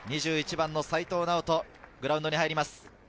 ２１番の齋藤直人、グラウンドに入ります。